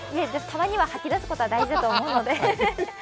たまには吐き出すことは大事だと思うので。